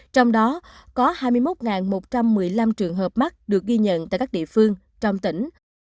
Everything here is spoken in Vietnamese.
trong đó có hai mươi một một trăm một mươi năm trường hợp mắc được ghi nhận tại các địa phương trong tỉnh